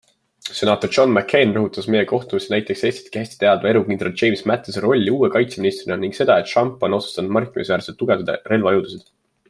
Senaator John McCain rõhutas meie kohtumistel näiteks Eestitki hästi teadva erukindral James Mattise rolli uue kaitseministrina ning seda, et Trump on otsustanud märkimisväärselt tugevdada relvajõudusid.